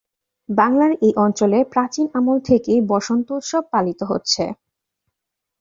বাংলার এই অঞ্চলে, প্রাচীন আমল থেকেই বসন্ত উৎসব পালিত হচ্ছে।